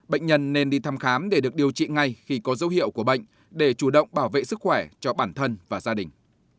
bệnh nhân nên đi thăm khám để được điều trị ngay khi có dấu hiệu của bệnh để chủ động bảo vệ sức khỏe cho bản thân và gia đình